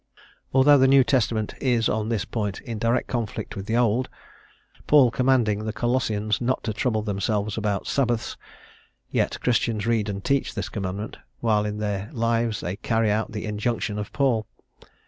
Although the New Testament is, on this point, in direct conflict with the Old, Paul commanding the Colossians not to trouble themselves about Sabbaths, yet Christians read and teach this commandment, while in their lives they carry out the injunction of Paul.